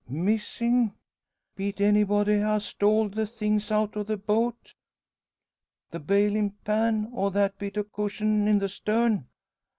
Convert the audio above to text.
"Missin'! Be't anybody ha' stoled the things out o' the boat? The balin' pan, or that bit o' cushion in the stern?"